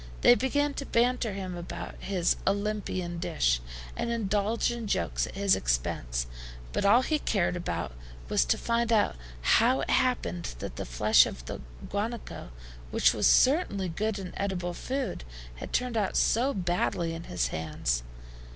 They began to banter him about his "Olympian dish," and indulge in jokes at his expense; but all he cared about was to find out how it happened that the flesh of the guanaco, which was certainly good and eatable food, had turned out so badly in his hands.